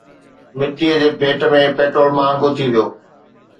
مئي جي ڀيٽ ۾ پيٽرول مهانگو ٿي ويو